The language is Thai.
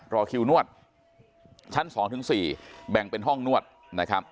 รอคิวนวดชั้น๒๔แบ่งเป็นห้องนวดนะครับ